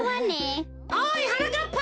おいはなかっぱ。